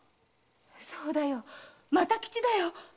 そうだよ又吉だよ！